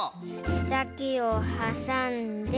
けさきをはさんで。